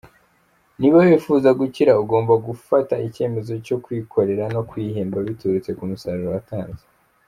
Niba wifuza gukira ugomba gufata icyemezo cyo kwikorera no kwihemba biturutse ku musaruro watanze.